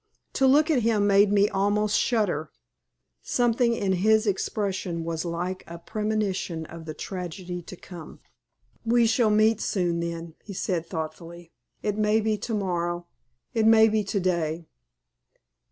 To look at him made me almost shudder. Something in his expression was like a premonition of the tragedy to come. "We shall meet soon, then," he said, thoughtfully. "It may be to morrow. It may be to day.